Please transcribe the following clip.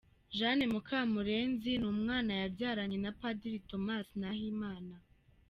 Jeanne Mukamurenzin n’umwana yabyaranye na Padiri Thomas Nahimana